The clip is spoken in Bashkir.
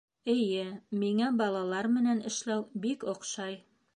Эйе, миңә балалар менән эшләү бик оҡшай